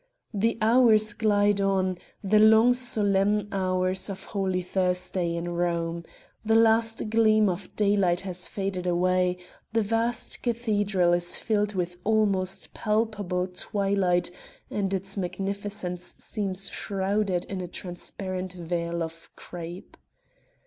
The hours glide on the long solemn hours of Holy Thursday in Rome; the last gleam of daylight has faded away, the vast cathedral is filled with almost palpable twilight and its magnificence seems shrouded in a transparent veil of crape.